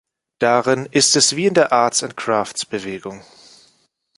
Darin ist es wie in der Arts and Crafts-Bewegung.